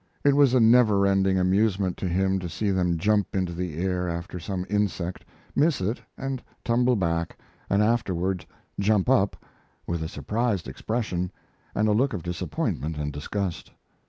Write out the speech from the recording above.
It was a never ending amusement to him to see them jump into the air after some insect, miss it and tumble back, and afterward jump up, with a surprised expression and a look of disappointment and disgust.